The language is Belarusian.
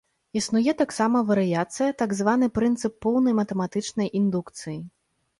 Існуе таксама варыяцыя, так званы прынцып поўнай матэматычнай індукцыі.